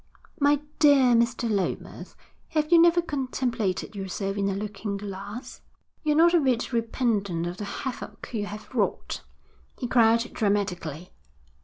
'My dear Mr. Lomas, have you never contemplated yourself in a looking glass?' 'You're not a bit repentant of the havoc you have wrought,' he cried dramatically.